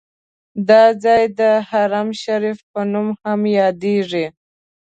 دا ځای د حرم شریف په نوم هم یادیږي.